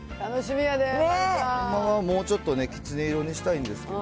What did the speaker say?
ほんまはもうちょっとね、きつね色にしたいんですけど。